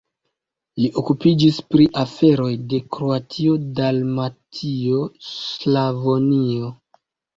Li okupiĝis pri aferoj de Kroatio-Dalmatio-Slavonio.